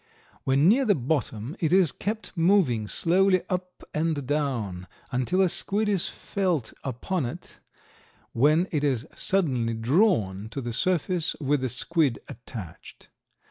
When near the bottom it is kept moving slowly up and down until a squid is felt upon it, when it is suddenly drawn to the surface with the squid attached.